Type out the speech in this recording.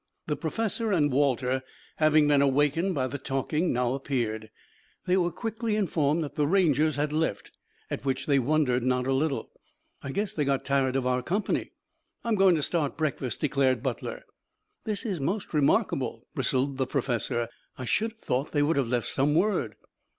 The professor and Walter, having been awakened by the talking, now appeared. They were quickly informed that the Rangers had left, at which they wondered not a little. "I guess they got tired of our company. I'm going to start breakfast," declared Butler. "This is most remarkable," bristled the professor. "I should have thought they would have left some word."